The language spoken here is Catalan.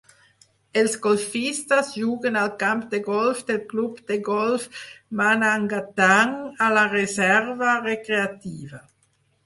Els golfistes juguen al camp de golf del Club de Golf Manangatang, a la Reserva Recreativa.